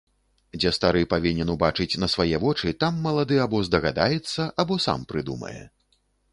Дзе стары павінен убачыць на свае вочы, там малады або здагадаецца, або сам прыдумае.